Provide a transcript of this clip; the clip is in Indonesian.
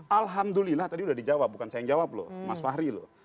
alhamdulillah tadi sudah dijawab bukan saya yang jawab loh mas fahri loh